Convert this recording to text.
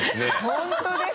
本当です。